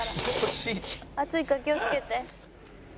「熱いから気をつけて」